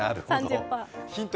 ヒント